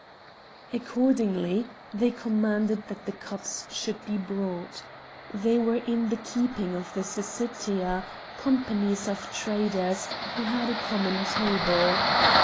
Accordingly they commanded that the cups should be brought. They were in the keeping of the Syssitia, companies of traders, who had a common table.